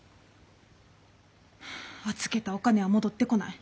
預けたお金は戻ってこない。